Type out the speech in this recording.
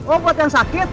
oh buat yang sakit